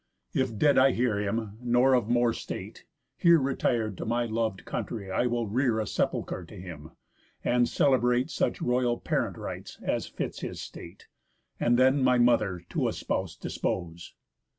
If dead I hear him, nor of more state, here Retir'd to my lov'd country, I will rear A sepulchre to him, and celebrate Such royal parent rites, as fits his state; And then my mother to a spouse dispose."